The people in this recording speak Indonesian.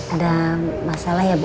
ada masalah ya bu